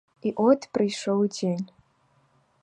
І от прыйшоў дзень.